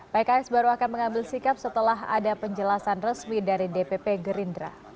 pks baru akan mengambil sikap setelah ada penjelasan resmi dari dpp gerindra